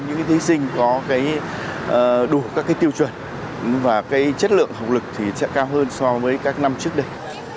những thí sinh có đủ các tiêu chuẩn và chất lượng học lực thì sẽ cao hơn so với các năm trước đây